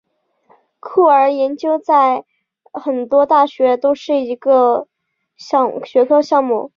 酷儿研究现在在很多大学都是一个学科项目。